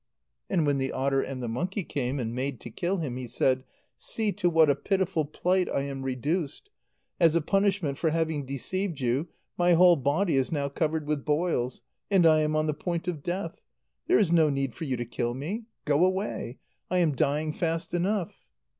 And when the otter and the monkey came and made to kill him, he said: "See to what a pitiful plight I am reduced! As a punishment for having deceived you, my whole body is now covered with boils, and I am on the point of death. There is no need for you to kill me. Go away! I am dying fast enough."